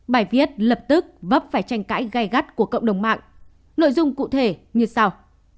bài viết lập tức vấp phải tranh cãi gai gắt của cộng đồng mạng nội dung cụ thể như sau